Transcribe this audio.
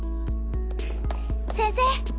先生。